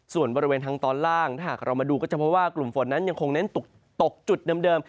ส่วนบริเวณทางตอนล่างถ้าหากเรามาดูก็จะพบว่ากลุ่มฝนนั้นยังคงเน้นตกจุดเดิม